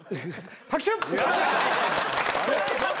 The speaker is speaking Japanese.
拍手！